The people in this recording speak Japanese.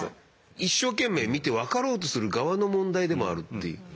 一生懸命見て分かろうとする側の問題でもあるっていう。